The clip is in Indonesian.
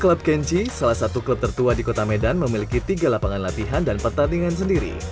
klub kenji salah satu klub tertua di kota medan memiliki tiga lapangan latihan dan pertandingan sendiri